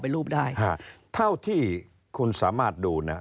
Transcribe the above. รูปได้เท่าที่คุณสามารถดูนะ